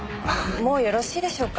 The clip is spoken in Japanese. もうよろしいでしょうか。